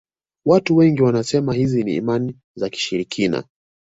watu wengi wanasema hizo ni imani za kishirikina